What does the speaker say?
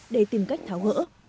để tìm cách tháo gỡ